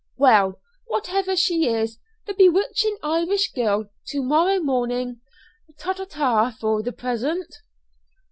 "Well, whatever she is the bewitching Irish girl to morrow morning. Ta ta for the present."